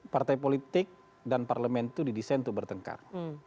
partai politik dan parlemen itu didesain untuk bertengkar